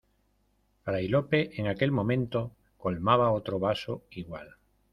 fray Lope, en aquel momento , colmaba otro vaso igual: